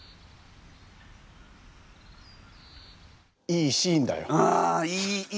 いいシーンだよ。